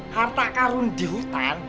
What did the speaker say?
harta karun di hutan